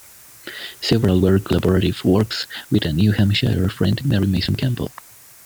Several were collaborative works with a New Hampshire friend Mary Mason Campbell.